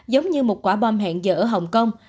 giống như một quả bom hẹn giờ ở hồng kông